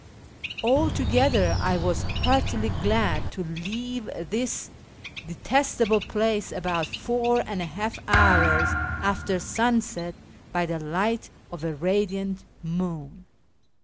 Altogether I was heartily glad to leave this detestable place about four and a half hours after sunset, by the light of a radiant moon.